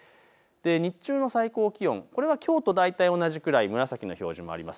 日中の最高気温、これはきょうと大体同じくらい、紫の表示もあります。